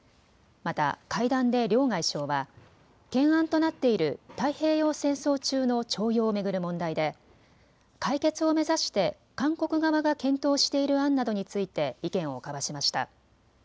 また会談で両外相は懸案となっている太平洋戦争中の徴用を巡る問題で解決を目指して韓国側が検討している案などについて意見を交わしました。